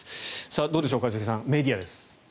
どうでしょう、一茂さんメディアです。